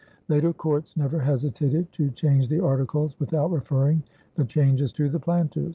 Later courts never hesitated to change the articles without referring the changes to the planters.